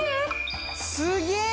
すげえ！